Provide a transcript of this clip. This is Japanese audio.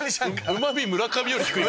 うま味村上より低い。